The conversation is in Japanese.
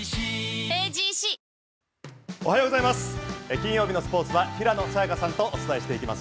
金曜日のスポーツは平野早矢香さんとお伝えしていきます